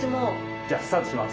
じゃあスタートします。